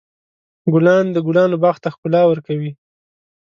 ګلان د ګلانو باغ ته ښکلا ورکوي.